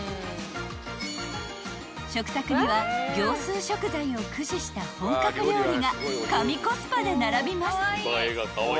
［食卓には業スー食材を駆使した本格料理が神コスパで並びます］